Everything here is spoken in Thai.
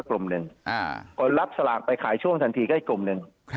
กลุ่มหนึ่งคนรับสลากไปขายช่วงทันทีก็อีกกลุ่มหนึ่ง